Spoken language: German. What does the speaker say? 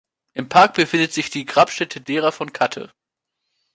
Im Park befindet sich die Grabstätte derer von Katte.